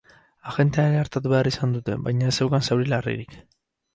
Agentea ere artatu behar izan dute, baina ez zeukan zauri larririk.